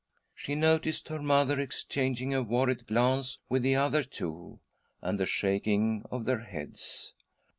She noticed her mother exchanging a worried glance with the other two, and the shaking of their heads.